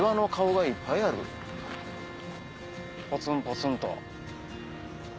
ポツンポツンと。